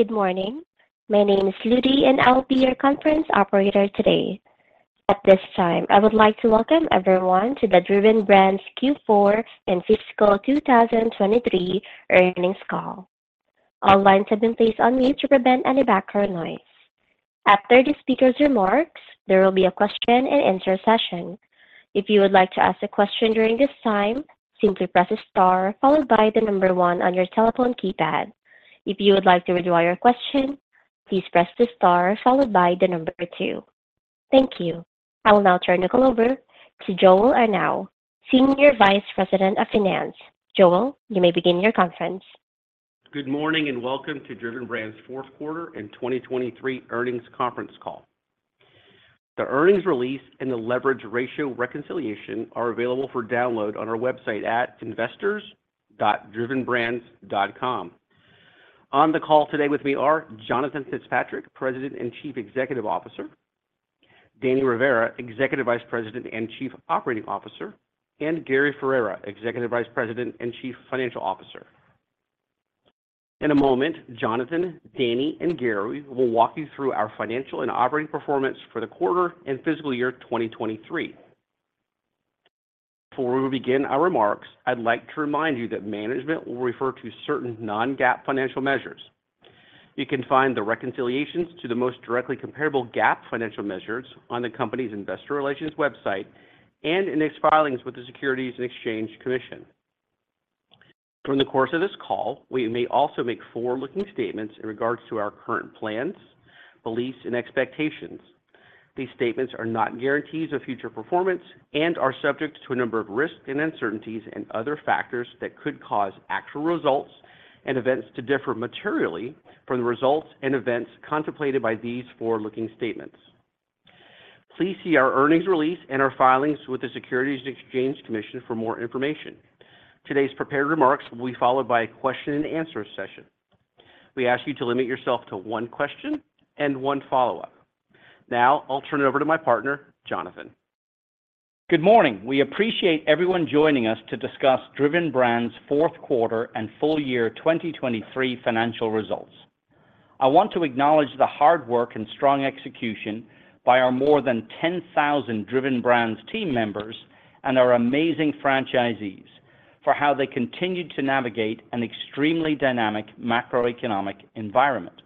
Good morning. My name is Ludy, and I will be your conference operator today. At this time, I would like to welcome everyone to the Driven Brands Q4 and Fiscal 2023 earnings call. All lines have been placed on mute to prevent any background noise. After the speaker's remarks, there will be a question and answer session. If you would like to ask a question during this time, simply press star followed by the number one on your telephone keypad. If you would like to withdraw your question, please press the star followed by the number two. Thank you. I will now turn the call over to Joel Arnao, Senior Vice President of Finance. Joel, you may begin your conference. Good morning, and welcome to Driven Brands' fourth quarter and 2023 earnings conference call. The earnings release and the leverage ratio reconciliation are available for download on our website at investors.drivenbrands.com. On the call today with me are Jonathan Fitzpatrick, President and Chief Executive Officer, Danny Rivera, Executive Vice President and Chief Operating Officer, and Gary Ferrera, Executive Vice President and Chief Financial Officer. In a moment, Jonathan, Danny, and Gary will walk you through our financial and operating performance for the quarter and fiscal year 2023. Before we begin our remarks, I'd like to remind you that management will refer to certain non-GAAP financial measures. You can find the reconciliations to the most directly comparable GAAP financial measures on the company's investor relations website and in its filings with the Securities and Exchange Commission. During the course of this call, we may also make forward-looking statements in regards to our current plans, beliefs, and expectations. These statements are not guarantees of future performance and are subject to a number of risks and uncertainties and other factors that could cause actual results and events to differ materially from the results and events contemplated by these forward-looking statements. Please see our earnings release and our filings with the Securities and Exchange Commission for more information. Today's prepared remarks will be followed by a question and answer session. We ask you to limit yourself to one question and one follow-up. Now, I'll turn it over to my partner, Jonathan. Good morning. We appreciate everyone joining us to discuss Driven Brands' fourth quarter and full year 2023 financial results. I want to acknowledge the hard work and strong execution by our more than 10,000 Driven Brands team members and our amazing franchisees for how they continued to navigate an extremely dynamic macroeconomic environment.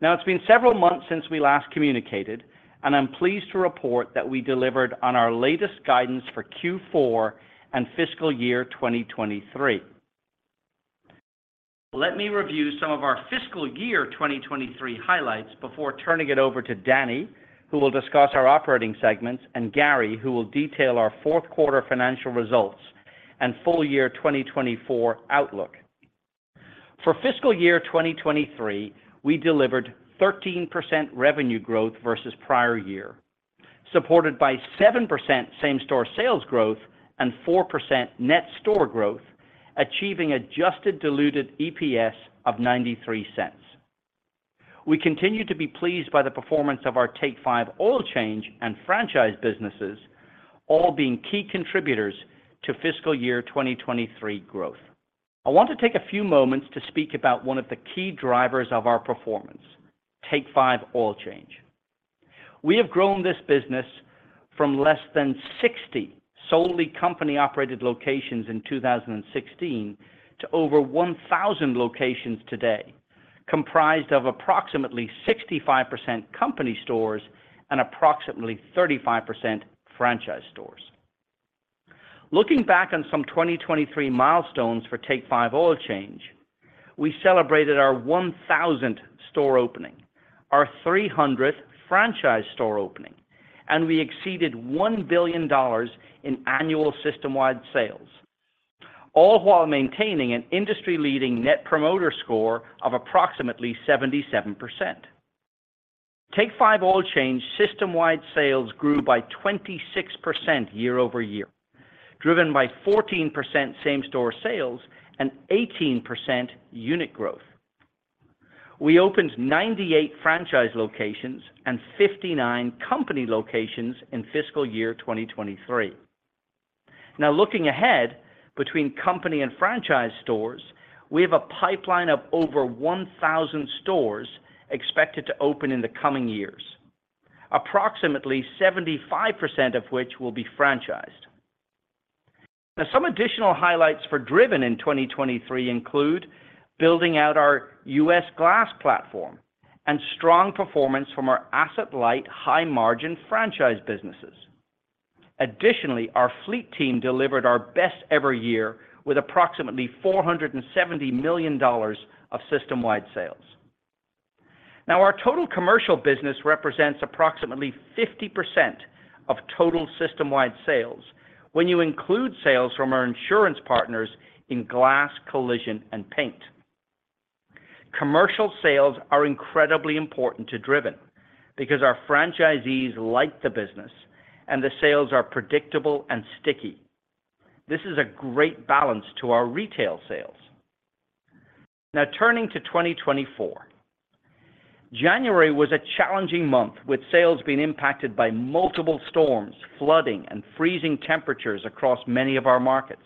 Now, it's been several months since we last communicated, and I'm pleased to report that we delivered on our latest guidance for Q4 and fiscal year 2023. Let me review some of our fiscal year 2023 highlights before turning it over to Danny, who will discuss our operating segments, and Gary, who will detail our fourth quarter financial results and full year 2024 outlook. For fiscal year 2023, we delivered 13% revenue growth versus prior year, supported by 7% same-store sales growth and 4% net store growth, achieving adjusted diluted EPS of $0.93. We continue to be pleased by the performance of our Take 5 Oil Change and franchise businesses, all being key contributors to fiscal year 2023 growth. I want to take a few moments to speak about one of the key drivers of our performance, Take 5 Oil Change. We have grown this business from less than 60 solely company-operated locations in 2016 to over 1,000 locations today, comprised of approximately 65% company stores and approximately 35% franchise stores. Looking back on some 2023 milestones for Take 5 Oil Change, we celebrated our 1,000th store opening, our 300th franchise store opening, and we exceeded $1 billion in annual system-wide sales, all while maintaining an industry-leading Net Promoter Score of approximately 77%. Take 5 Oil Change system-wide sales grew by 26% year-over-year, driven by 14% same-store sales and 18% unit growth. We opened 98 franchise locations and 59 company locations in fiscal year 2023. Now, looking ahead, between company and franchise stores, we have a pipeline of over 1,000 stores expected to open in the coming years, approximately 75% of which will be franchised. Now, some additional highlights for Driven in 2023 include building out our U.S. glass platform and strong performance from our asset-light, high-margin franchise businesses. Additionally, our fleet team delivered our best-ever year with approximately $470 million of system-wide sales. Now, our total commercial business represents approximately 50% of total system-wide sales when you include sales from our insurance partners in glass, collision, and paint. Commercial sales are incredibly important to Driven because our franchisees like the business and the sales are predictable and sticky. This is a great balance to our retail sales. Now, turning to 2024. January was a challenging month, with sales being impacted by multiple storms, flooding, and freezing temperatures across many of our markets.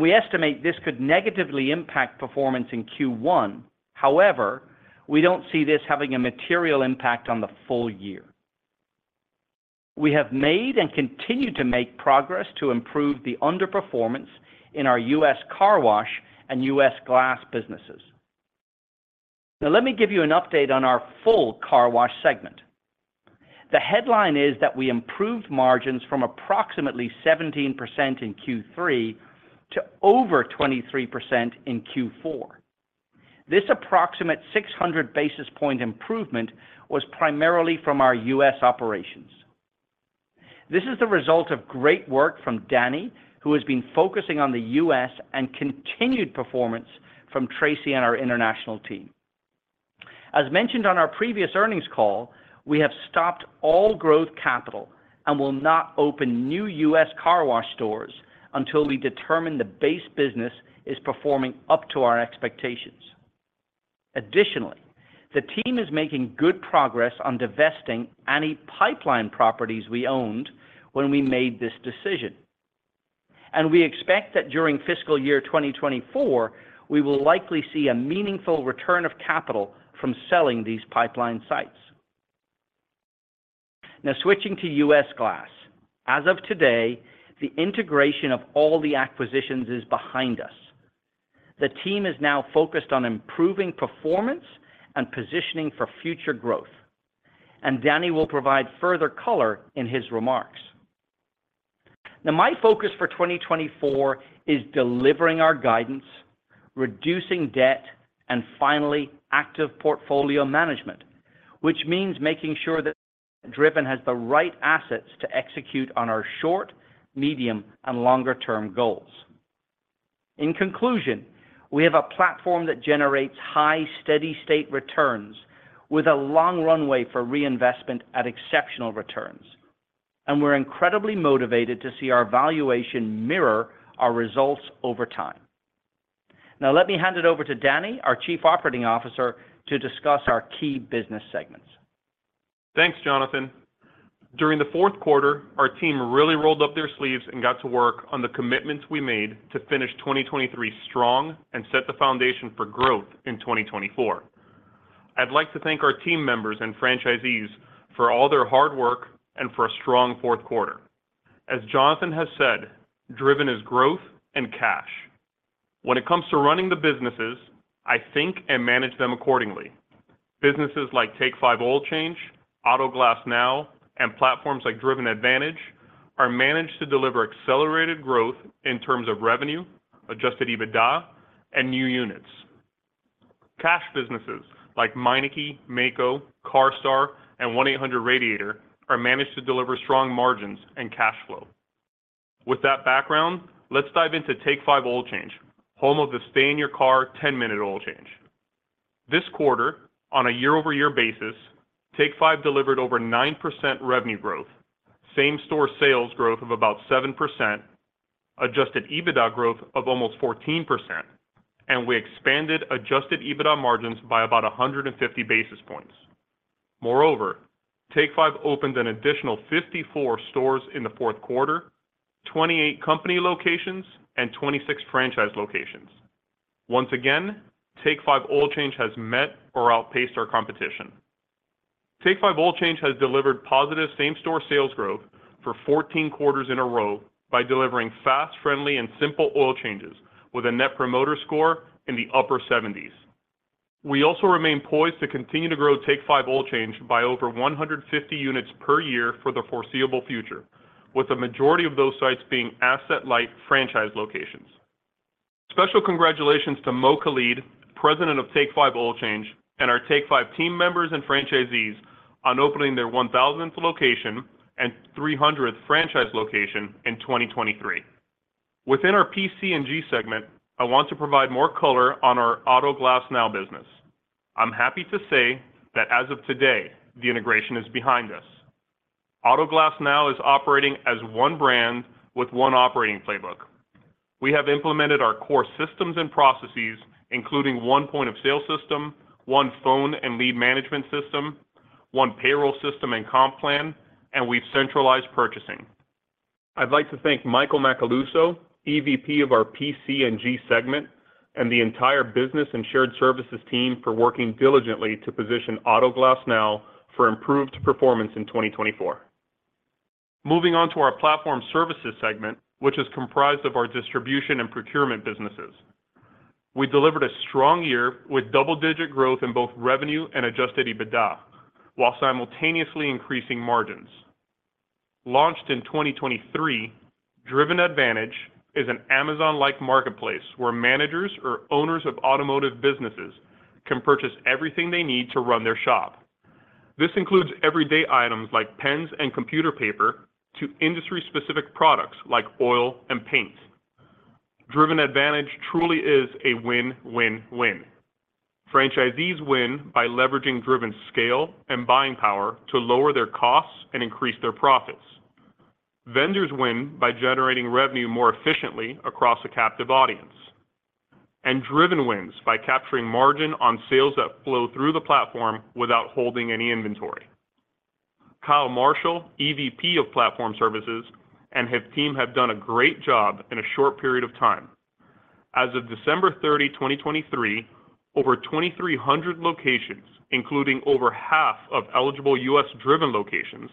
We estimate this could negatively impact performance in Q1. However, we don't see this having a material impact on the full year. We have made and continue to make progress to improve the underperformance in our U.S. Car Wash and U.S. Glass businesses. Now, let me give you an update on our full car wash segment. The headline is that we improved margins from approximately 17% in Q3 to over 23% in Q4. This approximate 600 basis point improvement was primarily from our U.S. operations. This is the result of great work from Danny, who has been focusing on the U.S., and continued performance from Tracy and our international team. As mentioned on our previous earnings call, we have stopped all growth capital and will not open new U.S. Car Wash stores until we determine the base business is performing up to our expectations. Additionally, the team is making good progress on divesting any pipeline properties we owned when we made this decision. We expect that during fiscal year 2024, we will likely see a meaningful return of capital from selling these pipeline sites. Now, switching to U.S. Glass. As of today, the integration of all the acquisitions is behind us. The team is now focused on improving performance and positioning for future growth, and Danny will provide further color in his remarks. Now, my focus for 2024 is delivering our guidance, reducing debt, and finally, active portfolio management, which means making sure that Driven has the right assets to execute on our short, medium, and longer term goals. In conclusion, we have a platform that generates high, steady state returns with a long runway for reinvestment at exceptional returns, and we're incredibly motivated to see our valuation mirror our results over time. Now, let me hand it over to Danny, our Chief Operating Officer, to discuss our key business segments. Thanks, Jonathan. During the fourth quarter, our team really rolled up their sleeves and got to work on the commitments we made to finish 2023 strong and set the foundation for growth in 2024. I'd like to thank our team members and franchisees for all their hard work and for a strong fourth quarter. As Jonathan has said, Driven is growth and cash. When it comes to running the businesses, I think and manage them accordingly. Businesses like Take 5 Oil Change, Auto Glass Now, and platforms like Driven Advantage, are managed to deliver accelerated growth in terms of revenue, adjusted EBITDA, and new units. Cash businesses like Meineke, MAACO, CARSTAR, and 1-800-Radiator are managed to deliver strong margins and cash flow. With that background, let's dive into Take 5 Oil Change, home of the stay-in-your-car, 10-minute oil change. This quarter, on a year-over-year basis, Take 5 delivered over 9% revenue growth, same-store sales growth of about 7%, adjusted EBITDA growth of almost 14%, and we expanded adjusted EBITDA margins by about 150 basis points. Moreover, Take 5 opened an additional 54 stores in the fourth quarter, 28 company locations, and 26 franchise locations. Once again, Take 5 Oil Change has met or outpaced our competition. Take 5 Oil Change has delivered positive same-store sales growth for 14 quarters in a row by delivering fast, friendly, and simple oil changes with a Net Promoter Score in the upper 70s. We also remain poised to continue to grow Take 5 Oil Change by over 150 units per year for the foreseeable future, with the majority of those sites being asset-light franchise locations. Special congratulations to Mo Khalid, President of Take 5 Oil Change, and our Take 5 team members and franchisees on opening their 1,000th location and 300th franchise location in 2023. Within our PC&G segment, I want to provide more color on our Auto Glass Now business. I'm happy to say that as of today, the integration is behind us. Auto Glass Now is operating as one brand with one operating playbook. We have implemented our core systems and processes, including one point-of-sale system, one phone and lead management system, one payroll system and comp plan, and we've centralized purchasing. I'd like to thank Michael Macaluso, EVP of our PC&G segment, and the entire business and shared services team for working diligently to position Auto Glass Now for improved performance in 2024. Moving on to our platform services segment, which is comprised of our distribution and procurement businesses. We delivered a strong year with double-digit growth in both revenue and adjusted EBITDA, while simultaneously increasing margins. Launched in 2023, Driven Advantage is an Amazon-like marketplace where managers or owners of automotive businesses can purchase everything they need to run their shop. This includes everyday items like pens and computer paper to industry-specific products like oil and paint. Driven Advantage truly is a win-win-win. Franchisees win by leveraging Driven's scale and buying power to lower their costs and increase their profits. Vendors win by generating revenue more efficiently across a captive audience, and Driven wins by capturing margin on sales that flow through the platform without holding any inventory. Kyle Marshall, EVP of Platform Services, and his team have done a great job in a short period of time. As of December 30, 2023, over 2,300 locations, including over half of eligible U.S. Driven locations,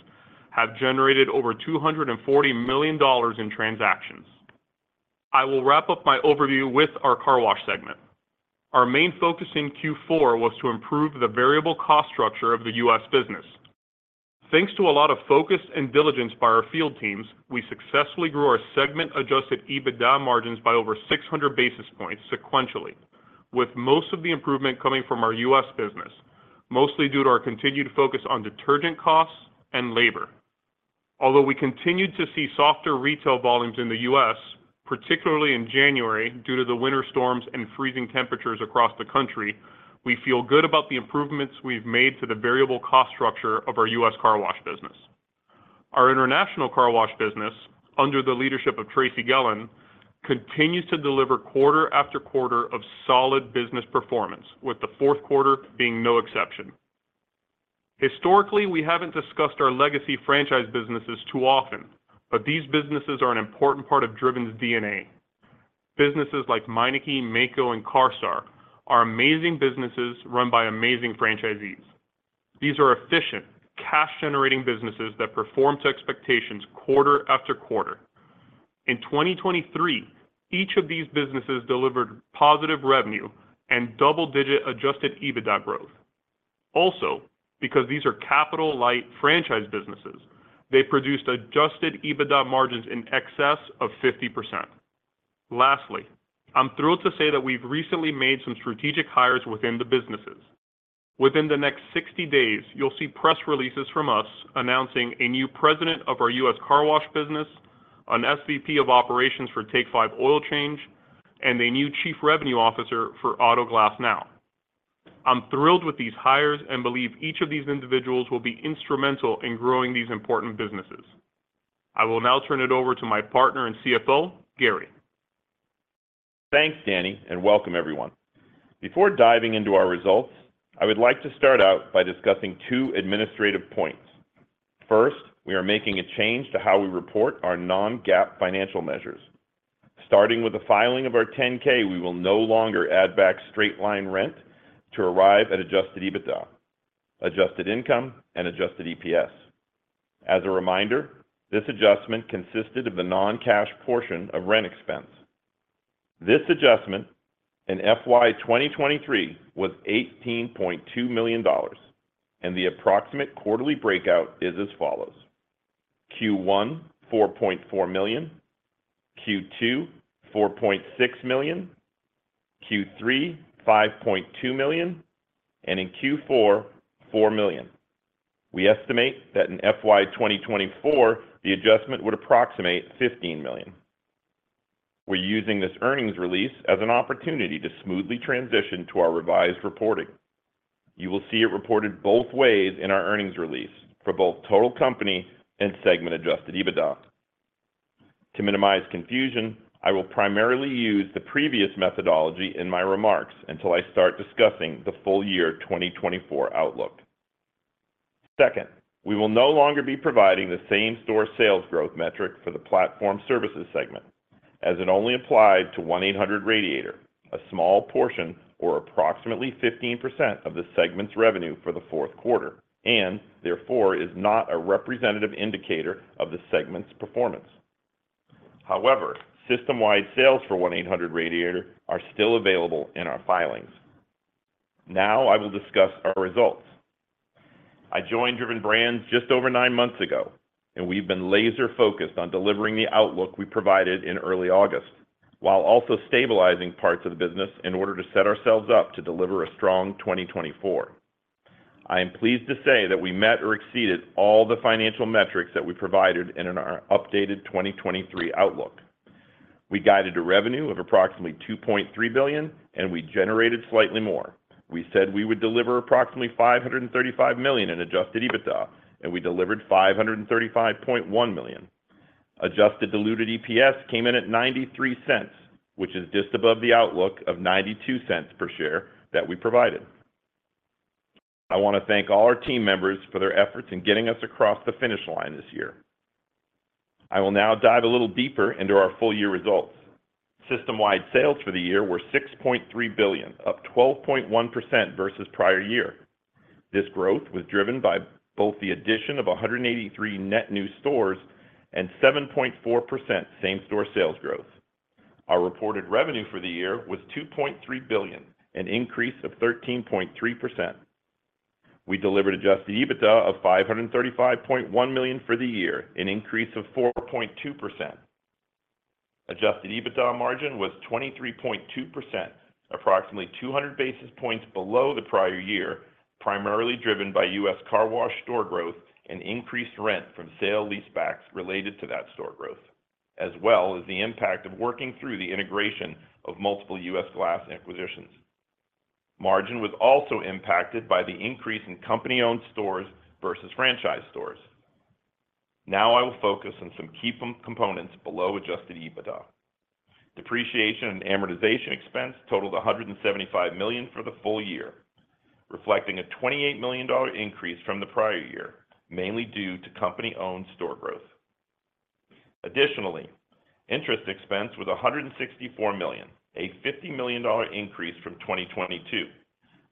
have generated over $240 million in transactions. I will wrap up my overview with our car wash segment. Our main focus in Q4 was to improve the variable cost structure of the U.S. business. Thanks to a lot of focus and diligence by our field teams, we successfully grew our segment adjusted EBITDA margins by over 600 basis points sequentially, with most of the improvement coming from our U.S. business, mostly due to our continued focus on detergent costs and labor. Although we continued to see softer retail volumes in the U.S., particularly in January, due to the winter storms and freezing temperatures across the country, we feel good about the improvements we've made to the variable cost structure of our U.S. car wash business. Our International Car Wash business, under the leadership of Tracy Gehlan, continues to deliver quarter after quarter of solid business performance, with the fourth quarter being no exception. Historically, we haven't discussed our legacy franchise businesses too often, but these businesses are an important part of Driven's DNA. Businesses like Meineke, MAACO, and CARSTAR are amazing businesses run by amazing franchisees. These are efficient, cash-generating businesses that perform to expectations quarter after quarter. In 2023, each of these businesses delivered positive revenue and double-digit adjusted EBITDA growth. Also, because these are capital-light franchise businesses, they produced adjusted EBITDA margins in excess of 50%. Lastly, I'm thrilled to say that we've recently made some strategic hires within the businesses. Within the next 60 days, you'll see press releases from us announcing a new President of our U.S. Car Wash business, an SVP of Operations for Take 5 Oil Change, and a new Chief Revenue Officer for Auto Glass Now. I'm thrilled with these hires and believe each of these individuals will be instrumental in growing these important businesses. I will now turn it over to my partner and CFO, Gary. Thanks, Danny, and welcome everyone. Before diving into our results, I would like to start out by discussing two administrative points. First, we are making a change to how we report our non-GAAP financial measures. Starting with the filing of our 10-K, we will no longer add back straight-line rent to arrive at adjusted EBITDA, adjusted income, and adjusted EPS. As a reminder, this adjustment consisted of the non-cash portion of rent expense. This adjustment in FY 2023 was $18.2 million, and the approximate quarterly breakout is as follows: Q1, $4.4 million, Q2, $4.6 million, Q3, $5.2 million, and in Q4, $4 million. We estimate that in FY 2024, the adjustment would approximate $15 million. We're using this earnings release as an opportunity to smoothly transition to our revised reporting. You will see it reported both ways in our earnings release for both total company and segment-adjusted EBITDA. To minimize confusion, I will primarily use the previous methodology in my remarks until I start discussing the full year 2024 outlook. Second, we will no longer be providing the same-store sales growth metric for the Platform Services segment, as it only applied to 1-800-Radiator, a small portion or approximately 15% of the segment's revenue for the fourth quarter, and therefore is not a representative indicator of the segment's performance. However, system-wide sales for 1-800-Radiator are still available in our filings. Now I will discuss our results. I joined Driven Brands just over nine months ago, and we've been laser-focused on delivering the outlook we provided in early August, while also stabilizing parts of the business in order to set ourselves up to deliver a strong 2024. I am pleased to say that we met or exceeded all the financial metrics that we provided in our updated 2023 outlook. We guided a revenue of approximately $2.3 billion, and we generated slightly more. We said we would deliver approximately $535 million in adjusted EBITDA, and we delivered $535.1 million. Adjusted diluted EPS came in at $0.93, which is just above the outlook of $0.92 per share that we provided. I want to thank all our team members for their efforts in getting us across the finish line this year. I will now dive a little deeper into our full year results. System-wide sales for the year were $6.3 billion, up 12.1% versus prior year. This growth was driven by both the addition of 183 net new stores and 7.4% same-store sales growth. Our reported revenue for the year was $2.3 billion, an increase of 13.3%. We delivered adjusted EBITDA of $535.1 million for the year, an increase of 4.2%. Adjusted EBITDA margin was 23.2%, approximately 200 basis points below the prior year, primarily driven by U.S. Car Wash store growth and increased rent from sale leasebacks related to that store growth, as well as the impact of working through the integration of multiple U.S. Glass acquisitions. Margin was also impacted by the increase in company-owned stores versus franchise stores. Now I will focus on some key components below adjusted EBITDA. Depreciation and amortization expense totaled $175 million for the full year, reflecting a $28 million increase from the prior year, mainly due to company-owned store growth. Additionally, interest expense was $164 million, a $50 million increase from 2022,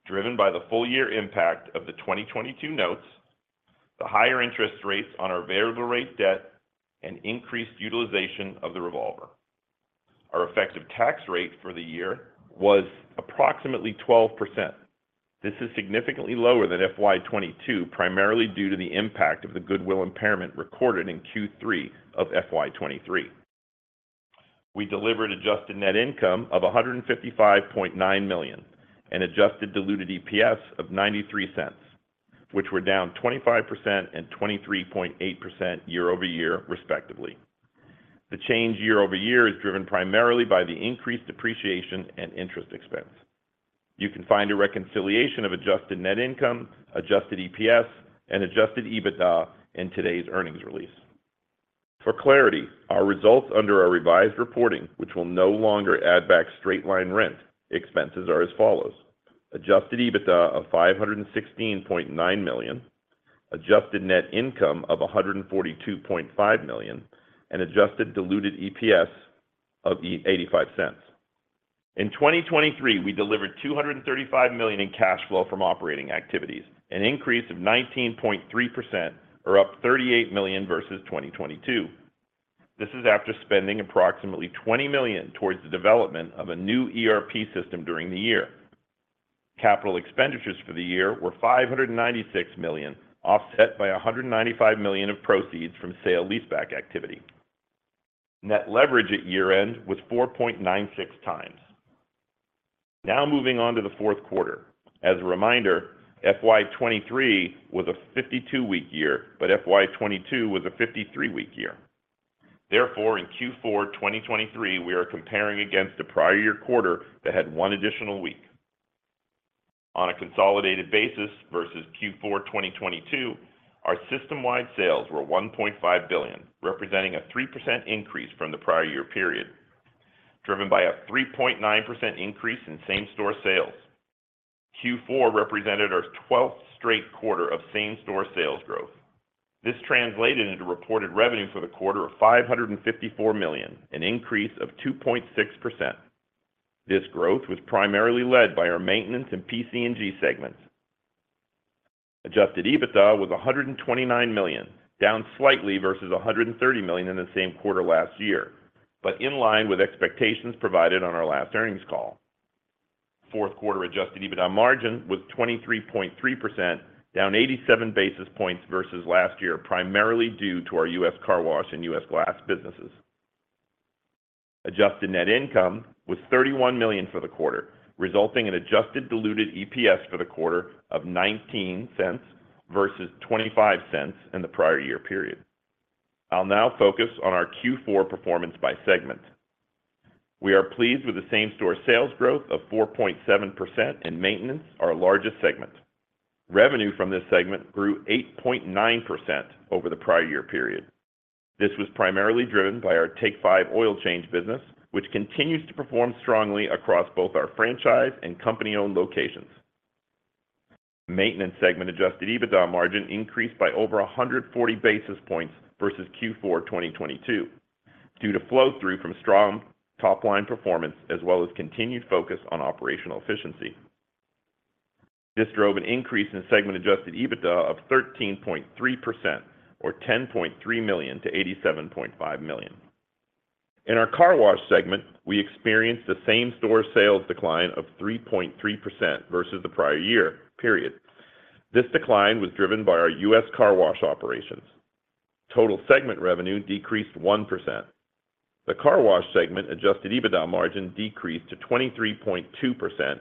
driven by the full year impact of the 2022 notes, the higher interest rates on our variable rate debt, and increased utilization of the revolver. Our effective tax rate for the year was approximately 12%. This is significantly lower than FY 2022, primarily due to the impact of the goodwill impairment recorded in Q3 of FY 2023. We delivered adjusted net income of $155.9 million and adjusted diluted EPS of $0.93, which were down 25% and 23.8% year-over-year, respectively. The change year-over-year is driven primarily by the increased depreciation and interest expense. You can find a reconciliation of adjusted net income, adjusted EPS, and adjusted EBITDA in today's earnings release. For clarity, our results under our revised reporting, which will no longer add back straight-line rent, expenses are as follows: adjusted EBITDA of $516.9 million, adjusted net income of $142.5 million, and adjusted diluted EPS of $0.85. In 2023, we delivered $235 million in cash flow from operating activities, an increase of 19.3% or up $38 million versus 2022. This is after spending approximately $20 million towards the development of a new ERP system during the year. Capital expenditures for the year were $596 million, offset by $195 million of proceeds from sale leaseback activity. Net leverage at year-end was 4.96x. Now moving on to the fourth quarter. As a reminder, FY 2023 was a 52-week year, but FY 2022 was a 53-week year. Therefore, in Q4 2023, we are comparing against the prior year quarter that had one additional week. On a consolidated basis versus Q4 2022, our system-wide sales were $1.5 billion, representing a 3% increase from the prior year period, driven by a 3.9% increase in same-store sales. Q4 represented our 12th straight quarter of same-store sales growth. This translated into reported revenue for the quarter of $554 million, an increase of 2.6%. This growth was primarily led by our maintenance and PC&G segments. Adjusted EBITDA was $129 million, down slightly versus $130 million in the same quarter last year, but in line with expectations provided on our last earnings call. Fourth quarter adjusted EBITDA margin was 23.3%, down 87 basis points versus last year, primarily due to our U.S. Car Wash and U.S. Glass businesses. Adjusted net income was $31 million for the quarter, resulting in adjusted diluted EPS for the quarter of $0.19 versus $0.25 in the prior year period. I'll now focus on our Q4 performance by segment. We are pleased with the same-store sales growth of 4.7% in maintenance, our largest segment. Revenue from this segment grew 8.9% over the prior year period. This was primarily driven by our Take 5 Oil Change business, which continues to perform strongly across both our franchise and company-owned locations. Maintenance segment adjusted EBITDA margin increased by over 140 basis points versus Q4 2022, due to flow-through from strong top-line performance, as well as continued focus on operational efficiency. This drove an increase in segment adjusted EBITDA of 13.3% or $10.3 million to $87.5 million. In our Car Wash segment, we experienced the same-store sales decline of 3.3% versus the prior year period. This decline was driven by our U.S. Car Wash operations. Total segment revenue decreased 1%. The car wash segment adjusted EBITDA margin decreased to 23.2%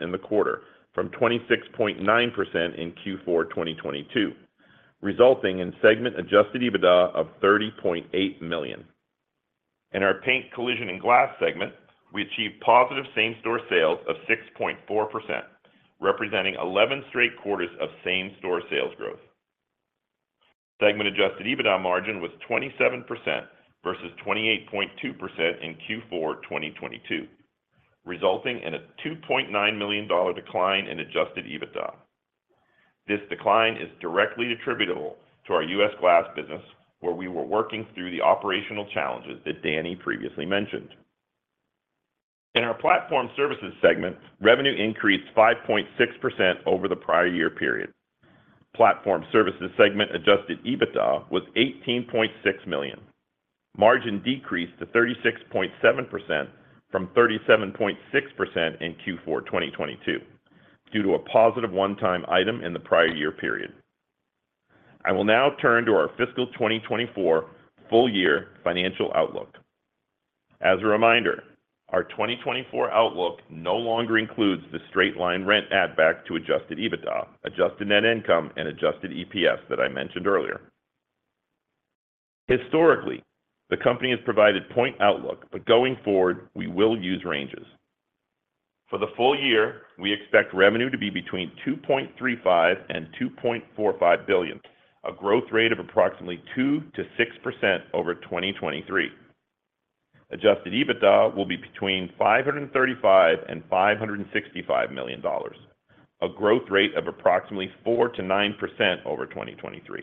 in the quarter, from 26.9% in Q4 2022, resulting in segment adjusted EBITDA of $30.8 million. In our Paint, Collision, and Glass segment, we achieved positive same-store sales of 6.4%, representing 11 straight quarters of same-store sales growth. Segment adjusted EBITDA margin was 27% versus 28.2% in Q4 2022, resulting in a $2.9 million decline in adjusted EBITDA. This decline is directly attributable to our U.S. Glass business, where we were working through the operational challenges that Danny previously mentioned. In our Platform Services segment, revenue increased 5.6% over the prior year period. Platform Services segment adjusted EBITDA was $18.6 million. Margin decreased to 36.7% from 37.6% in Q4 2022, due to a positive one-time item in the prior year period. I will now turn to our fiscal 2024 full year financial outlook. As a reminder, our 2024 outlook no longer includes the straight-line rent add back to adjusted EBITDA, adjusted net income, and adjusted EPS that I mentioned earlier. Historically, the company has provided point outlook, but going forward, we will use ranges. For the full year, we expect revenue to be between $2.35 billion and $2.45 billion, a growth rate of approximately 2%-6% over 2023. Adjusted EBITDA will be between $535 million and $565 million, a growth rate of approximately 4%-9% over 2023.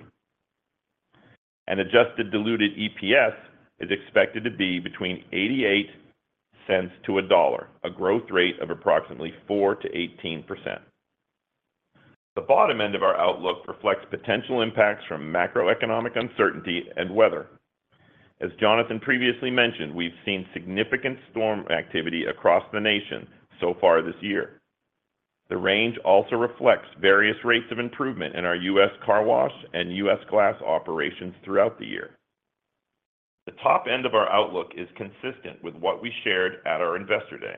Adjusted diluted EPS is expected to be between $0.88-$1, a growth rate of approximately 4%-18%. The bottom end of our outlook reflects potential impacts from macroeconomic uncertainty and weather. As Jonathan previously mentioned, we've seen significant storm activity across the nation so far this year. The range also reflects various rates of improvement in our U.S. Car Wash and U.S. Glass operations throughout the year. The top end of our outlook is consistent with what we shared at our Investor Day.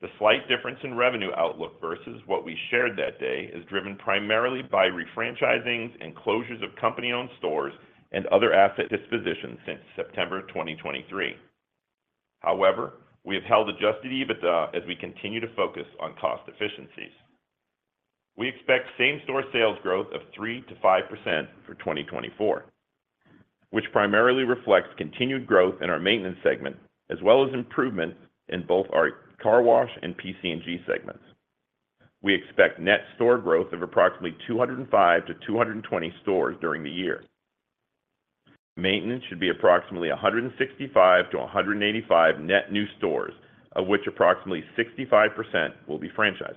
The slight difference in revenue outlook versus what we shared that day is driven primarily by refranchising and closures of company-owned stores and other asset dispositions since September 2023. However, we have held adjusted EBITDA as we continue to focus on cost efficiencies. We expect same-store sales growth of 3%-5% for 2024, which primarily reflects continued growth in our maintenance segment, as well as improvements in both our Car Wash and PC&G segments. We expect net store growth of approximately 205-220 stores during the year. Maintenance should be approximately 165-185 net new stores, of which approximately 65% will be franchised.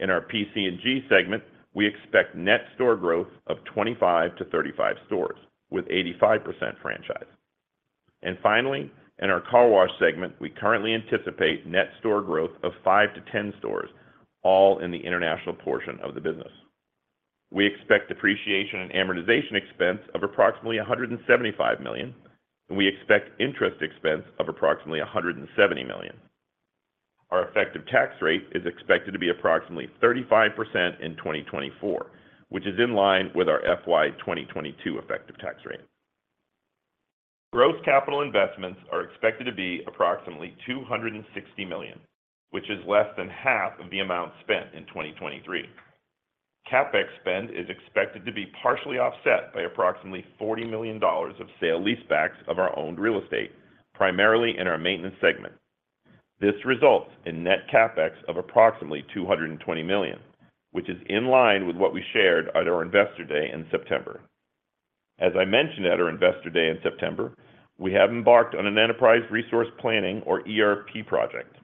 In our PC&G segment, we expect net store growth of 25-35 stores, with 85% franchised. And finally, in our Car Wash segment, we currently anticipate net store growth of 5-10 stores, all in the international portion of the business. We expect depreciation and amortization expense of approximately $175 million, and we expect interest expense of approximately $170 million. Our effective tax rate is expected to be approximately 35% in 2024, which is in line with our FY 2022 effective tax rate. Gross capital investments are expected to be approximately $260 million, which is less than half of the amount spent in 2023. CapEx spend is expected to be partially offset by approximately $40 million of sale-leasebacks of our owned real estate, primarily in our Maintenance segment. This results in net CapEx of approximately $220 million, which is in line with what we shared at our Investor Day in September. As I mentioned at our Investor Day in September, we have embarked on an enterprise resource planning or ERP project.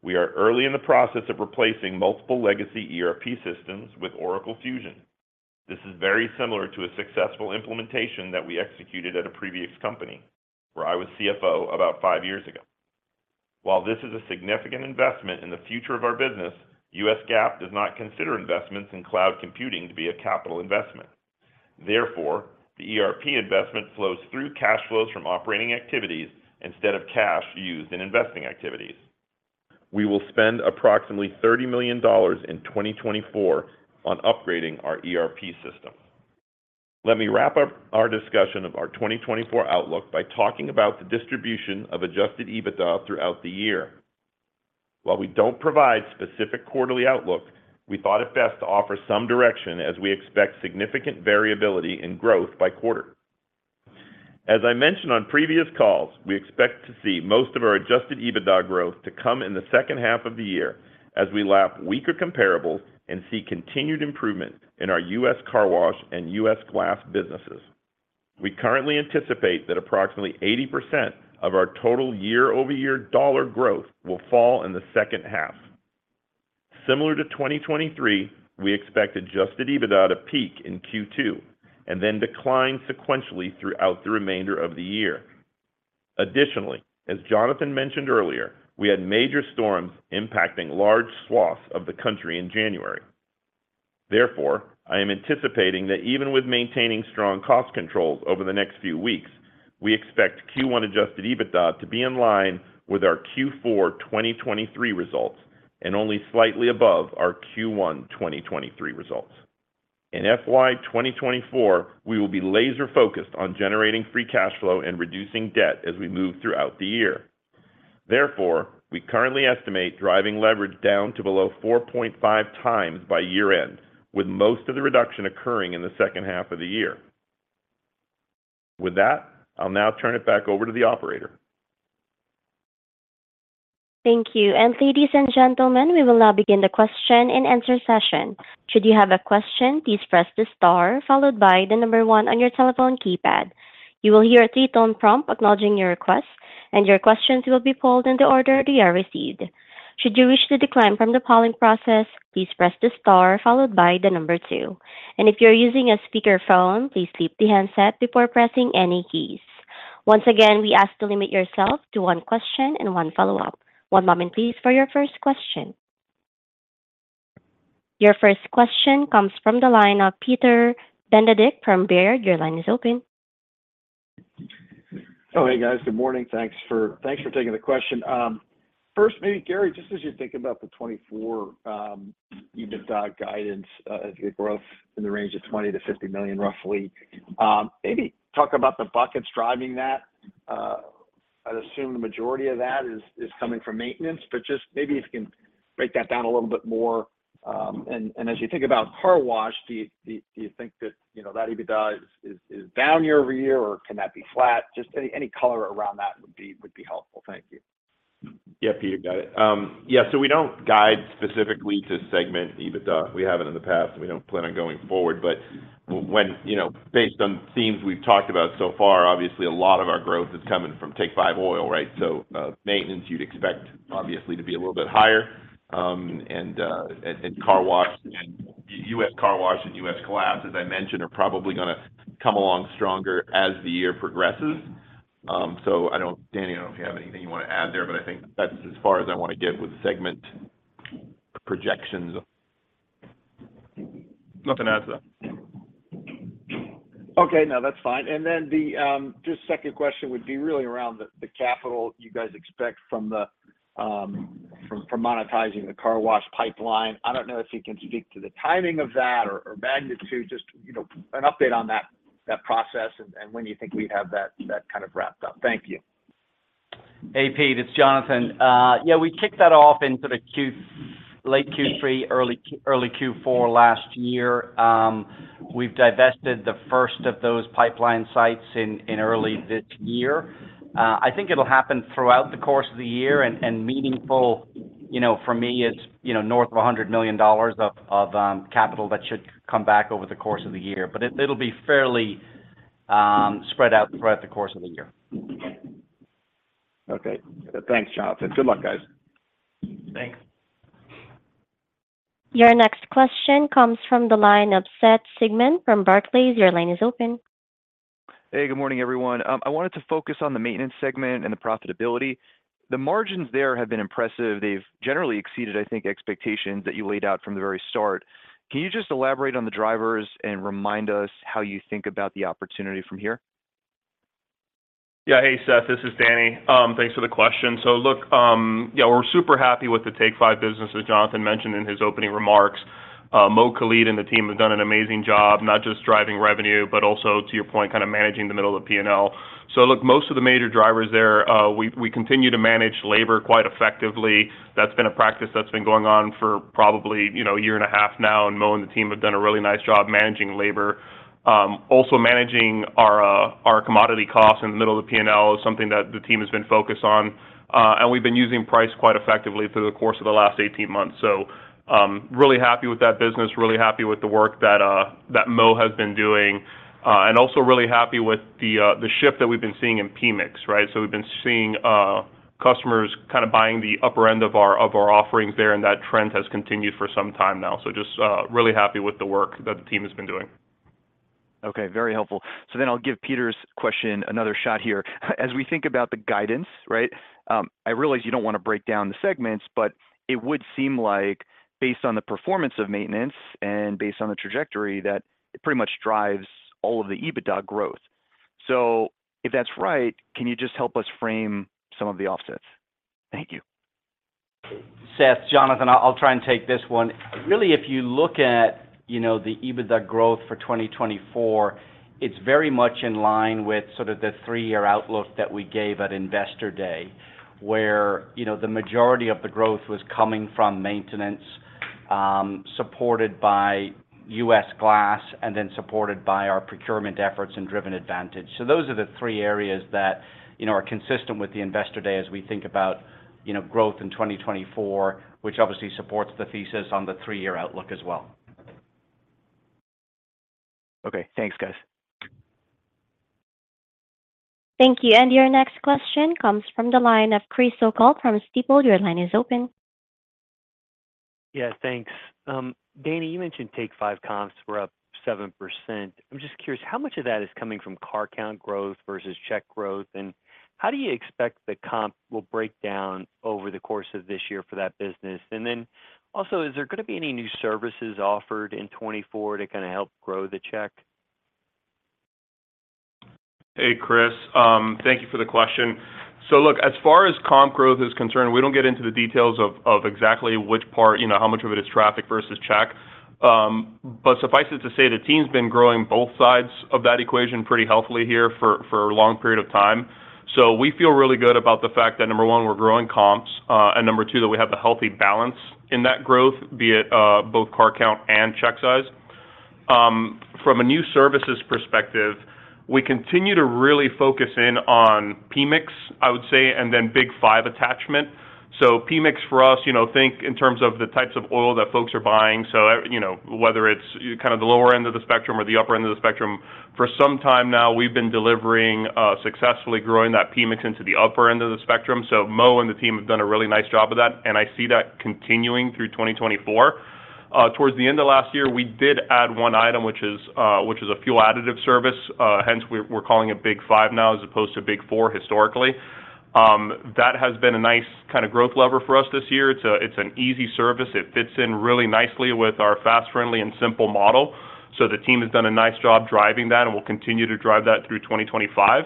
We are early in the process of replacing multiple legacy ERP systems with Oracle Fusion. This is very similar to a successful implementation that we executed at a previous company, where I was CFO about 5 years ago. While this is a significant investment in the future of our business, U.S. GAAP does not consider investments in cloud computing to be a capital investment. Therefore, the ERP investment flows through cash flows from operating activities instead of cash used in investing activities. We will spend approximately $30 million in 2024 on upgrading our ERP system. Let me wrap up our discussion of our 2024 outlook by talking about the distribution of adjusted EBITDA throughout the year. While we don't provide specific quarterly outlook, we thought it best to offer some direction as we expect significant variability in growth by quarter. As I mentioned on previous calls, we expect to see most of our adjusted EBITDA growth to come in the second half of the year as we lap weaker comparables and see continued improvement in our U.S. Car Wash and U.S. Glass businesses. We currently anticipate that approximately 80% of our total year-over-year dollar growth will fall in the second half. Similar to 2023, we expect adjusted EBITDA to peak in Q2 and then decline sequentially throughout the remainder of the year. Additionally, as Jonathan mentioned earlier, we had major storms impacting large swaths of the country in January. Therefore, I am anticipating that even with maintaining strong cost controls over the next few weeks, we expect Q1 adjusted EBITDA to be in line with our Q4 2023 results and only slightly above our Q1 2023 results. In FY 2024, we will be laser-focused on generating free cash flow and reducing debt as we move throughout the year. Therefore, we currently estimate driving leverage down to below 4.5x by year-end, with most of the reduction occurring in the second half of the year. With that, I'll now turn it back over to the operator. Thank you. Ladies and gentlemen, we will now begin the question-and-answer session. Should you have a question, please press the star followed by the number one on your telephone keypad. You will hear a three-tone prompt acknowledging your request, and your questions will be pulled in the order they are received. Should you wish to decline from the polling process, please press the star followed by the number two. If you're using a speakerphone, please leave the handset before pressing any keys. Once again, we ask to limit yourself to one question and one follow-up. One moment please for your first question. Your first question comes from the line of Peter Benedict from Baird. Your line is open. Oh, hey, guys. Good morning. Thanks for, thanks for taking the question. First, maybe, Gary, just as you think about the 2024 EBITDA guidance, the growth in the range of $20-$50 million, roughly, maybe talk about the buckets driving that. I'd assume the majority of that is coming from maintenance, but just maybe if you can break that down a little bit more. And as you think about car wash, do you think that, you know, that EBITDA is down year-over-year, or can that be flat? Just any color around that would be helpful. Thank you. Yeah, Pete, you got it. Yeah, so we don't guide specifically to segment EBITDA. We haven't in the past, and we don't plan on going forward, but, you know, based on themes we've talked about so far, obviously a lot of our growth is coming from Take 5 Oil, right? So, maintenance you'd expect obviously to be a little bit higher, and car wash and U.S. Car Wash and U.S. Glass, as I mentioned, are probably gonna come along stronger as the year progresses. So I don't... Danny, I don't know if you have anything you want to add there, but I think that's as far as I want to get with segment projections. Nothing to add to that. Okay, no, that's fine. And then the just second question would be really around the capital you guys expect from monetizing the car wash pipeline. I don't know if you can speak to the timing of that or magnitude, just you know, an update on that process and when you think we'd have that kind of wrapped up. Thank you. Hey, Pete, it's Jonathan. Yeah, we kicked that off in sort of late Q3, early Q4 last year. We've divested the first of those pipeline sites in early this year. I think it'll happen throughout the course of the year and meaningful, you know, for me, it's, you know, north of $100 million of capital that should come back over the course of the year, but it'll be fairly spread out throughout the course of the year. Okay. Thanks, Jonathan. Good luck, guys. Thanks. Your next question comes from the line of Seth Sigman from Barclays. Your line is open. Hey, good morning, everyone. I wanted to focus on the Maintenance segment and the profitability. The margins there have been impressive. They've generally exceeded, I think, expectations that you laid out from the very start. Can you just elaborate on the drivers and remind us how you think about the opportunity from here? Yeah. Hey, Seth, this is Danny. Thanks for the question. So look, yeah, we're super happy with the Take 5 business, as Jonathan mentioned in his opening remarks. Mo Khalid and the team have done an amazing job, not just driving revenue, but also, to your point, kind of managing the middle of the P&L. So look, most of the major drivers there, we, we continue to manage labor quite effectively. That's been a practice that's been going on for probably, you know, a year and a half now, and Mo and the team have done a really nice job managing labor. Also managing our, our commodity costs in the middle of the P&L is something that the team has been focused on, and we've been using price quite effectively through the course of the last 18 months. So, really happy with that business, really happy with the work that Mo has been doing, and also really happy with the shift that we've been seeing in PMIX, right? So we've been seeing customers kind of buying the upper end of our offerings there, and that trend has continued for some time now. So just really happy with the work that the team has been doing. Okay, very helpful. So then I'll give Peter's question another shot here. As we think about the guidance, right? I realize you don't want to break down the segments, but it would seem like based on the performance of Maintenance and based on the trajectory, that it pretty much drives all of the EBITDA growth. So if that's right, can you just help us frame some of the offsets? Thank you. Seth, Jonathan, I'll try and take this one. Really, if you look at, you know, the EBITDA growth for 2024, it's very much in line with sort of the three-year outlook that we gave at Investor Day, where, you know, the majority of the growth was coming from Maintenance, supported by U.S. Glass and then supported by our procurement efforts and Driven Advantage. So those are the three areas that, you know, are consistent with the Investor Day as we think about, you know, growth in 2024, which obviously supports the thesis on the three-year outlook as well. Okay. Thanks, guys. Thank you. Your next question comes from the line of Chris O'Cull from Stifel. Your line is open. Yeah, thanks. Danny, you mentioned Take 5 comps were up 7%. I'm just curious, how much of that is coming from car count growth versus check growth, and how do you expect the comp will break down over the course of this year for that business? And then also, is there going to be any new services offered in 2024 to kind of help grow the check? Hey, Chris, thank you for the question. So look, as far as comp growth is concerned, we don't get into the details of exactly which part, you know, how much of it is traffic versus check. But suffice it to say, the team's been growing both sides of that equation pretty healthily here for a long period of time. So we feel really good about the fact that, number one, we're growing comps, and number two, that we have a healthy balance in that growth, be it both car count and check size. From a new services perspective, we continue to really focus in on PMIX, I would say, and then Big Five attachment. So PMIX for us, you know, think in terms of the types of oil that folks are buying. So, you know, whether it's kind of the lower end of the spectrum or the upper end of the spectrum, for some time now, we've been delivering successfully growing that PMIX into the upper end of the spectrum. So Mo and the team have done a really nice job of that, and I see that continuing through 2024. Towards the end of last year, we did add one item, which is which is a fuel additive service. Hence, we're, we're calling it Big Five now, as opposed to Big Four, historically, that has been a nice kind of growth lever for us this year. It's a, it's an easy service. It fits in really nicely with our fast, friendly, and simple model. So the team has done a nice job driving that, and we'll continue to drive that through 2025.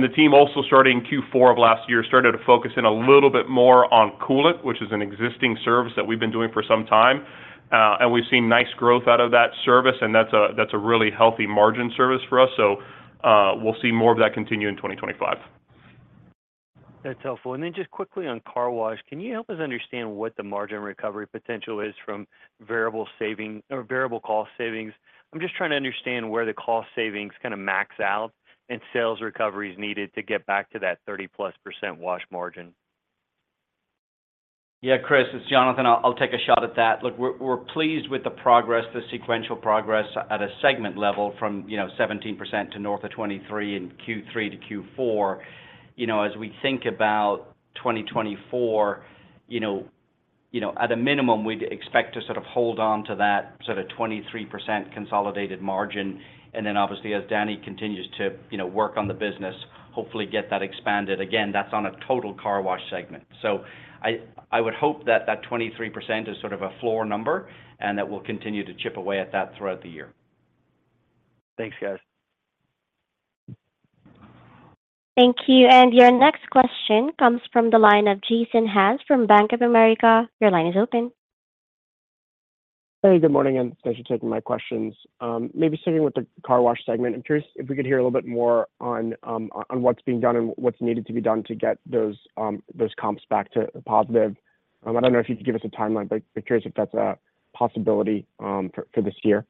The team also, starting Q4 of last year, started to focus in a little bit more on coolant, which is an existing service that we've been doing for some time. And we've seen nice growth out of that service, and that's a really healthy margin service for us. So, we'll see more of that continue in 2025. That's helpful. Then just quickly on car wash, can you help us understand what the margin recovery potential is from variable saving or variable cost savings? I'm just trying to understand where the cost savings kind of max out and sales recovery is needed to get back to that 30%+ wash margin? Yeah, Chris, it's Jonathan. I'll, I'll take a shot at that. Look, we're, we're pleased with the progress, the sequential progress at a segment level from, you know, 17% to north of 23% in Q3 to Q4. You know, as we think about 2024, you know, you know, at a minimum, we'd expect to sort of hold on to that sort of 23% consolidated margin, and then obviously, as Danny continues to, you know, work on the business, hopefully get that expanded. Again, that's on a total Car Wash segment. So I, I would hope that that 23% is sort of a floor number and that we'll continue to chip away at that throughout the year. Thanks, guys. Thank you. Your next question comes from the line of Jason Haas from Bank of America. Your line is open. Hey, good morning, and thanks for taking my questions. Maybe starting with the Car Wash segment, I'm curious if we could hear a little bit more on what's being done and what's needed to be done to get those comps back to positive? I don't know if you could give us a timeline, but curious if that's a possibility for this year.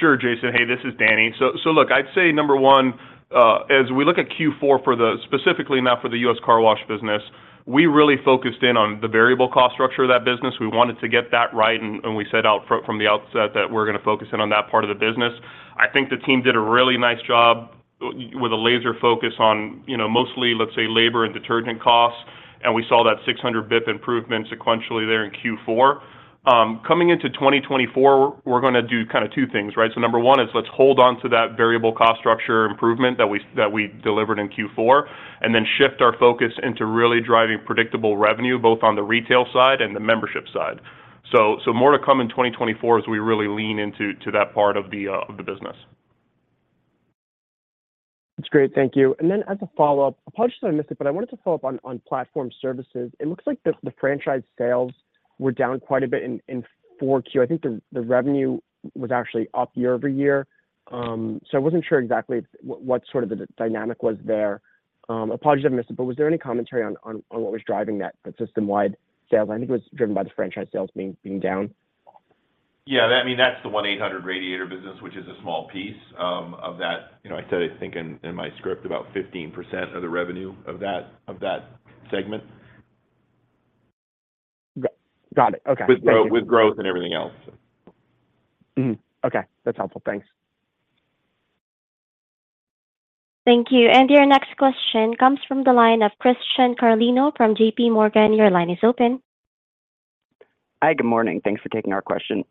Sure, Jason. Hey, this is Danny. So, look, I'd say number one, as we look at Q4 for the specifically now for the U.S. Car Wash business, we really focused in on the variable cost structure of that business. We wanted to get that right, and we set out from the outset that we're gonna focus in on that part of the business. I think the team did a really nice job with a laser focus on, you know, mostly, let's say, labor and detergent costs, and we saw that 600 basis point improvement sequentially there in Q4. Coming into 2024, we're gonna do kind of two things, right? So number one is let's hold on to that variable cost structure improvement that we, that we delivered in Q4, and then shift our focus into really driving predictable revenue, both on the retail side and the membership side. So, so more to come in 2024 as we really lean into, to that part of the, of the business. That's great. Thank you. And then as a follow-up, apologies if I missed it, but I wanted to follow up on, on platform services. It looks like the, the franchise sales were down quite a bit in, in 4Q. I think the, the revenue was actually up year-over-year. So I wasn't sure exactly what, what sort of the dynamic was there. Apologies if I missed it, but was there any commentary on, on, on what was driving that system-wide sales? I think it was driven by the franchise sales being, being down. Yeah, I mean, that's the 1-800-Radiator & A/C business, which is a small piece of that. You know, I said, I think in, in my script, about 15% of the revenue of that, of that segment. Got it. Okay. With growth and everything else. Mm-hmm. Okay, that's helpful. Thanks. Thank you. Your next question comes from the line of Christian Carlino from JPMorgan. Your line is open. Hi, good morning. Thanks for taking our question.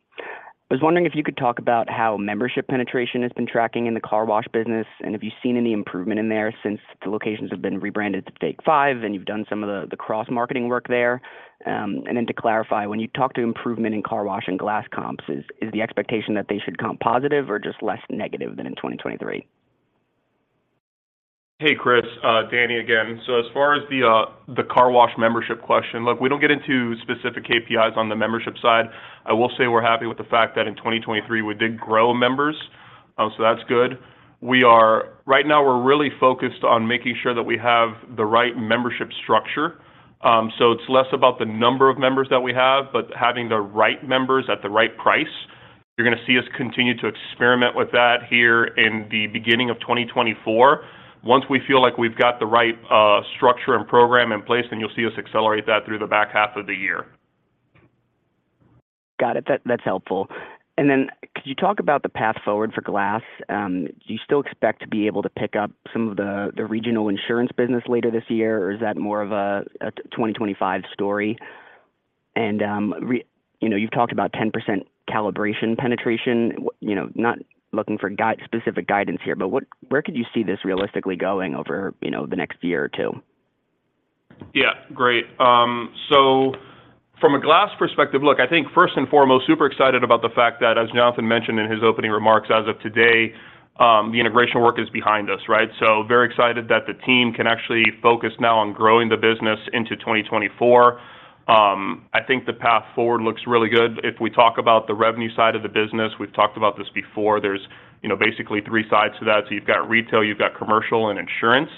I was wondering if you could talk about how membership penetration has been tracking in the car wash business, and have you seen any improvement in there since the locations have been rebranded to Take 5, and you've done some of the cross-marketing work there? And then to clarify, when you talk to improvement in car wash and glass comps, is the expectation that they should comp positive or just less negative than in 2023? Hey, Chris, Danny again. So as far as the car wash membership question, look, we don't get into specific KPIs on the membership side. I will say we're happy with the fact that in 2023, we did grow members. So that's good. We are. Right now, we're really focused on making sure that we have the right membership structure. So it's less about the number of members that we have, but having the right members at the right price. You're gonna see us continue to experiment with that here in the beginning of 2024. Once we feel like we've got the right structure and program in place, then you'll see us accelerate that through the back half of the year. Got it. That, that's helpful. And then could you talk about the path forward for glass? Do you still expect to be able to pick up some of the, the regional insurance business later this year, or is that more of a 2025 story? And you know, you've talked about 10% calibration penetration. You know, not looking for specific guidance here, but where could you see this realistically going over, you know, the next year or two? Yeah, great. So from a glass perspective, look, I think first and foremost, super excited about the fact that, as Jonathan mentioned in his opening remarks, as of today, the integration work is behind us, right? So very excited that the team can actually focus now on growing the business into 2024. I think the path forward looks really good. If we talk about the revenue side of the business, we've talked about this before, there's, you know, basically three sides to that. So you've got retail, you've got commercial, and insurance.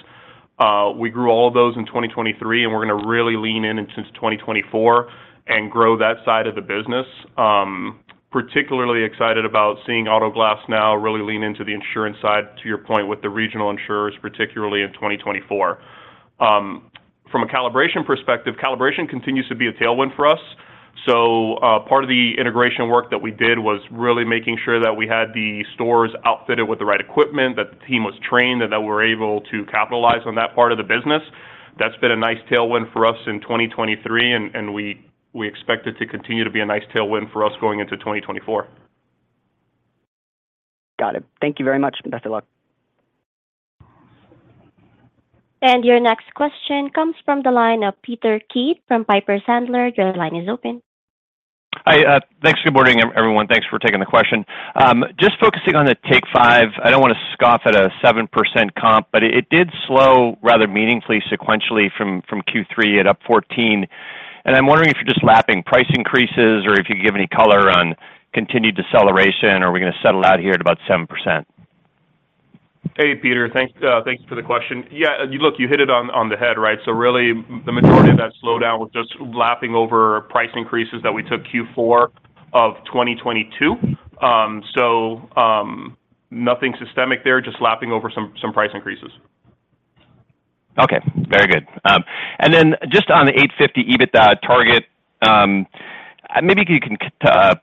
We grew all of those in 2023, and we're gonna really lean in into 2024 and grow that side of the business. Particularly excited about seeing Auto Glass Now really lean into the insurance side, to your point, with the regional insurers, particularly in 2024. From a calibration perspective, calibration continues to be a tailwind for us. So, part of the integration work that we did was really making sure that we had the stores outfitted with the right equipment, that the team was trained, and that we're able to capitalize on that part of the business. That's been a nice tailwind for us in 2023, and we expect it to continue to be a nice tailwind for us going into 2024. Got it. Thank you very much, and best of luck. And your next question comes from the line of Peter Keith from Piper Sandler. Your line is open. Hi. Thanks. Good morning, everyone. Thanks for taking the question. Just focusing on the Take 5, I don't wanna scoff at a 7% comp, but it, it did slow rather meaningfully sequentially from, from Q3 at up 14%. And I'm wondering if you're just lapping price increases, or if you could give any color on continued deceleration, or are we gonna settle out here at about 7%? Hey, Peter. Thanks for the question. Yeah, you look, you hit it on, on the head, right? So really, the majority of that slowdown was just lapping over price increases that we took Q4 of 2022. Nothing systemic there, just lapping over some, some price increases. Okay, very good. And then just on the $850 EBITDA target, maybe if you can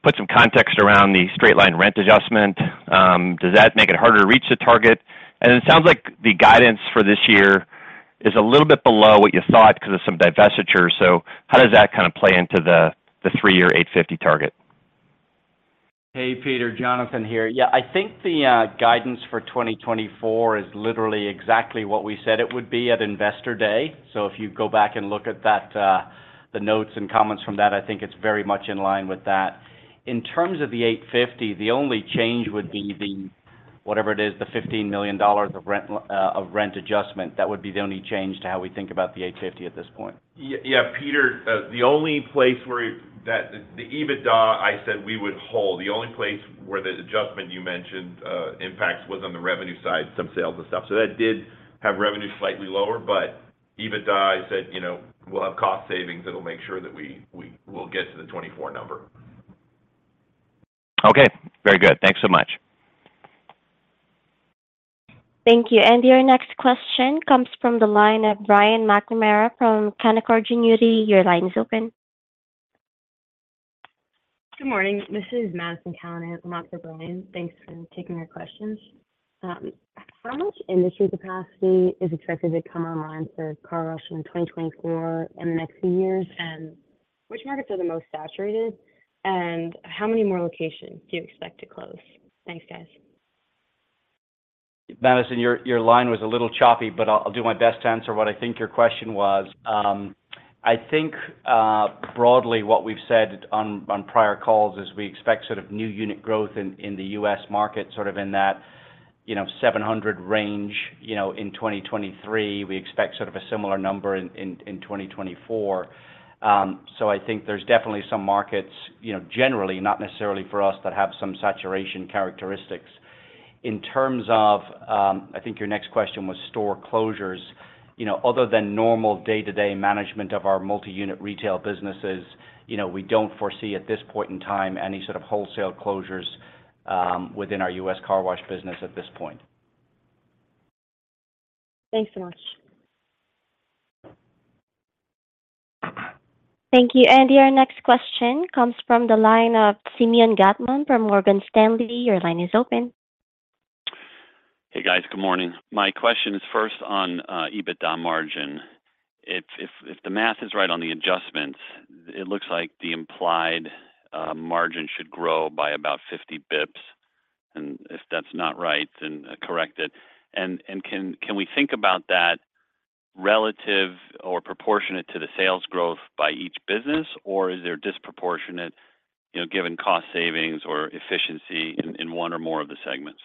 put some context around the straight-line rent adjustment. Does that make it harder to reach the target? And it sounds like the guidance for this year is a little bit below what you thought because of some divestiture. So how does that kind of play into the three-year 850 target? Hey, Peter. Jonathan here. Yeah, I think the guidance for 2024 is literally exactly what we said it would be at Investor Day. So if you go back and look at that, the notes and comments from that, I think it's very much in line with that. In terms of the $850, the only change would be the, whatever it is, the $15 million of rent adjustment. That would be the only change to how we think about the $850 at this point. Yeah, Peter, the only place where that the EBITDA, I said we would hold. The only place where the adjustment you mentioned impacts was on the revenue side, some sales and stuff. So that did have revenue slightly lower, but EBITDA, I said, you know, we'll have cost savings that'll make sure that we we'll get to the 24 number. Okay, very good. Thanks so much. Thank you. Your next question comes from the line of Brian McNamara from Canaccord Genuity. Your line is open. Good morning. This is Madison Callinan for Brian. Thanks for taking our questions. How much industry capacity is expected to come online for car wash in 2024 and the next few years? And which markets are the most saturated? And how many more locations do you expect to close? Thanks, guys. Madison, your, your line was a little choppy, but I'll, I'll do my best to answer what I think your question was. I think, broadly, what we've said on, on prior calls is we expect sort of new unit growth in, in the U.S. market, sort of in that, you know, 700 range, you know, in 2023. We expect sort of a similar number in, in, in 2024. So I think there's definitely some markets, you know, generally, not necessarily for us, that have some saturation characteristics. In terms of, I think your next question was store closures. You know, other than normal day-to-day management of our multi-unit retail businesses, you know, we don't foresee at this point in time any sort of wholesale closures, within our U.S. car wash business at this point. Thanks so much. Thank you. Our next question comes from the line of Simeon Gutman from Morgan Stanley. Your line is open. Hey, guys. Good morning. My question is first on EBITDA margin. If the math is right on the adjustments, it looks like the implied margin should grow by about 50 bips, and if that's not right, then correct it. And can we think about that relative or proportionate to the sales growth by each business, or is there disproportionate, you know, given cost savings or efficiency in one or more of the segments?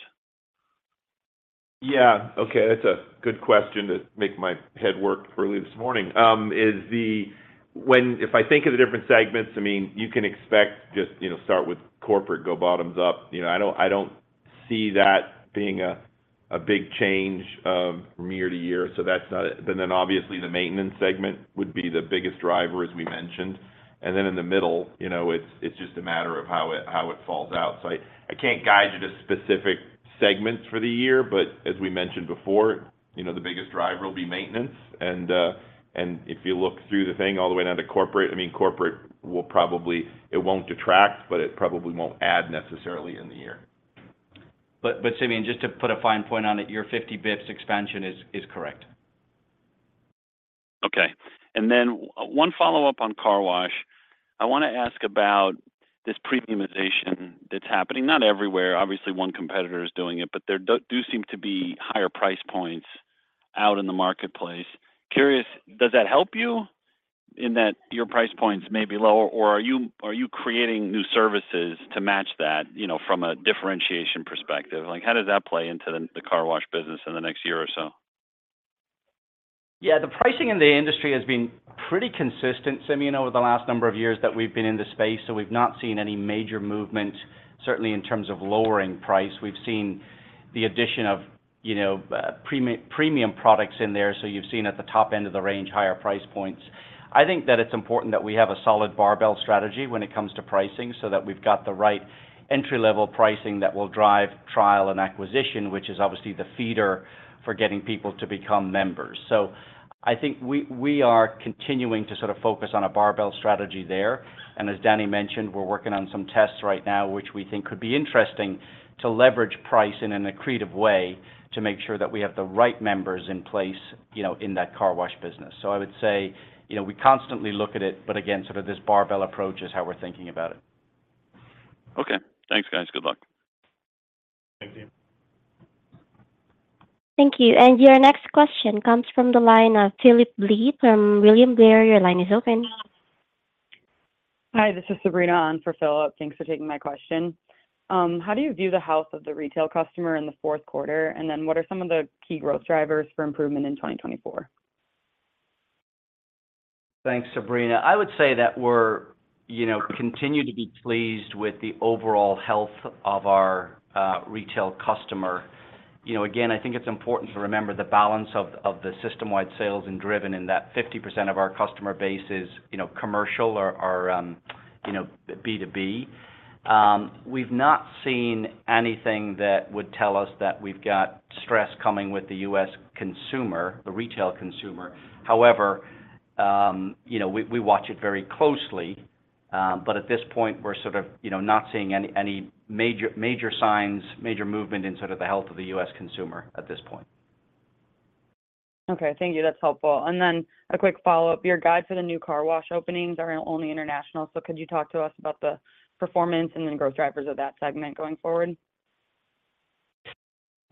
Yeah. Okay, that's a good question to make my head work early this morning. If I think of the different segments, I mean, you can expect just, you know, start with corporate, go bottoms up. You know, I don't see that being a big change from year-to-year, so that's not it. But then obviously, the maintenance segment would be the biggest driver, as we mentioned. And then in the middle, you know, it's just a matter of how it falls out. So I can't guide you to specific segments for the year, but as we mentioned before, you know, the biggest driver will be maintenance. And if you look through the thing all the way down to corporate, I mean, corporate will probably- It won't detract, but it probably won't add necessarily in the year. But Simeon, just to put a fine point on it, your 50 bips expansion is correct. Okay. Then one follow-up on car wash. I wanna ask about this premiumization that's happening, not everywhere, obviously, one competitor is doing it, but there do seem to be higher price points out in the marketplace. Curious, does that help you in that your price points may be lower, or are you creating new services to match that, you know, from a differentiation perspective? Like, how does that play into the Car Wash business in the next year or so? Yeah, the pricing in the industry has been pretty consistent, Simeon, over the last number of years that we've been in this space, so we've not seen any major movement, certainly in terms of lowering price. We've seen the addition of, you know, premium products in there, so you've seen at the top end of the range, higher price points. I think that it's important that we have a solid barbell strategy when it comes to pricing, so that we've got the right entry-level pricing that will drive trial and acquisition, which is obviously the feeder for getting people to become members. So I think we, we are continuing to sort of focus on a barbell strategy there. As Danny mentioned, we're working on some tests right now, which we think could be interesting to leverage price in an accretive way to make sure that we have the right members in place, you know, in that Car Wash business. I would say, you know, we constantly look at it, but again, sort of this barbell approach is how we're thinking about it. Okay. Thanks, guys. Good luck. Thank you. Thank you. Your next question comes from the line of Phillip Blee from William Blair. Your line is open. Hi, this is Sabrina on for Phillip. Thanks for taking my question. How do you view the health of the retail customer in the fourth quarter? And then what are some of the key growth drivers for improvement in 2024? Thanks, Sabrina. I would say that we're, you know, continue to be pleased with the overall health of our retail customer. You know, again, I think it's important to remember the balance of, of the system-wide sales and driven in that 50% of our customer base is, you know, commercial or, or, you know, B2B. We've not seen anything that would tell us that we've got stress coming with the U.S. consumer, the retail consumer. However, you know, we, we watch it very closely, but at this point, we're sort of, you know, not seeing any major signs, major movement in sort of the health of the U.S. consumer at this point. Okay. Thank you. That's helpful. And then a quick follow-up. Your guide for the new car wash openings are only international, so could you talk to us about the performance and then growth drivers of that segment going forward?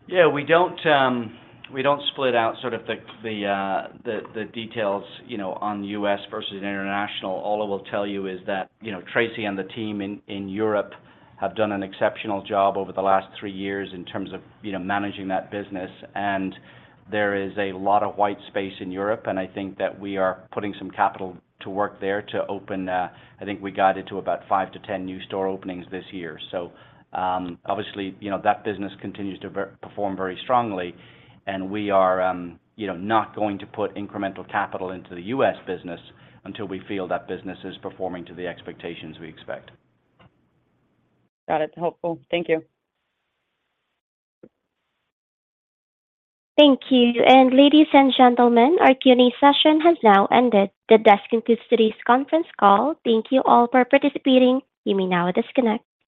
Yeah, we don't, we don't split out sort of the details, you know, on U.S. versus international. All I will tell you is that, you know, Tracy and the team in Europe have done an exceptional job over the last three years in terms of, you know, managing that business. And there is a lot of white space in Europe, and I think that we are putting some capital to work there to open, I think we guided to about 5-10 new store openings this year. So, obviously, you know, that business continues to perform very strongly, and we are, you know, not going to put incremental capital into the U.S. business until we feel that business is performing to the expectations we expect. Got it. Helpful. Thank you. Thank you. Ladies and gentlemen, our Q&A session has now ended. That does conclude today's conference call. Thank you all for participating. You may now disconnect.